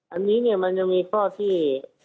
อันนี้มันจะมีข้อที่